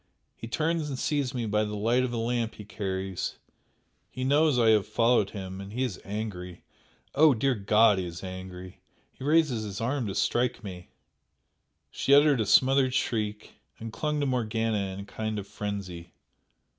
he turns and sees me by the light of a lamp he carries; he knows I have followed him, and he is angry! Oh, dear God, he is angry he raises his arm to strike me!" She uttered a smothered shriek, and clung to Morgana in a kind of frenzy.